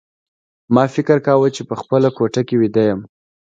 ما فکر کاوه چې په خپله کوټه کې ویده یم